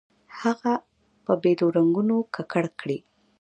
هغه په بېلو رنګونو ککړ کړئ.